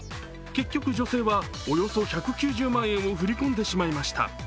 結局女性はおよそ１９０万円を振り込んでしまいました。